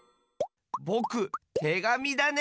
ぼくてがみだね！